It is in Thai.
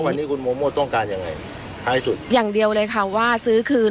วันนี้คุณโมโมต้องการยังไงท้ายสุดอย่างเดียวเลยค่ะว่าซื้อคืน